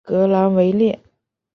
格朗维列。